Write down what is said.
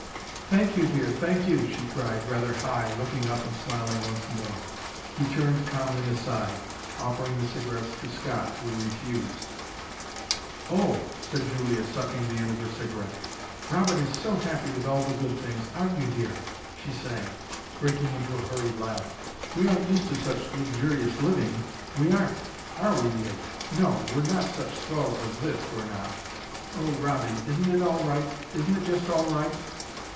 "Thank you, dear thank you," she cried, rather high, looking up and smiling once more. He turned calmly aside, offering the cigarettes to Scott, who refused. "Oh!" said Julia, sucking the end of her cigarette. "Robert is so happy with all the good things aren't you dear?" she sang, breaking into a hurried laugh. "We aren't used to such luxurious living, we aren't ARE WE DEAR No, we're not such swells as this, we're not. Oh, ROBBIE, isn't it all right, isn't it just all right?"